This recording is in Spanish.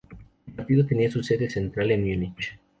El partido tenía su sede central en Múnich.